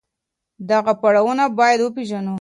دغه پړاوونه بايد وپېژنو.